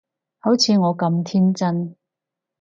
好似我咁天真